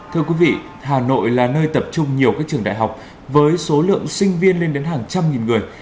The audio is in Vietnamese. thưa quý vị hà nội là nơi tập trung nhiều các trường đại học với số lượng sinh viên lên đến hàng trăm nghìn người